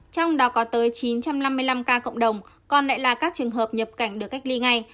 trong đó có tới chín trăm năm mươi năm ca cộng đồng còn lại là các trường hợp nhập cảnh được cách ly ngay